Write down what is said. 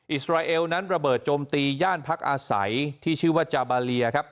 อิสราเอลนั้นระเบิดโจมตีย่านพักอาศัยที่ชื่อว่าจาบาเลียครับ